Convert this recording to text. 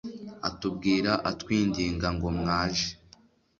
atubwira atwinginga ngo mwaje